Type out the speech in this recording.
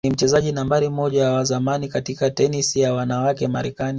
ni mchezaji nambari moja wa zamani katika tenisi ya wanawake Marekani